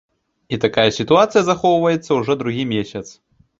І такая сітуацыя захоўваецца ўжо другі месяц.